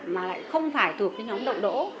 mà lại không phải thuộc cái nhóm đậu đỗ